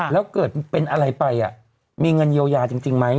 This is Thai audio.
แล้วเกิดเป็นอะไรไปมีเงินเยียวยาจริงไหม